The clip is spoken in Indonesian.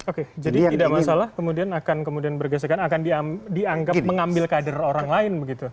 oke jadi tidak masalah kemudian akan kemudian bergesekan akan dianggap mengambil kader orang lain begitu